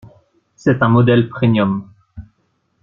C'est un modèle premium.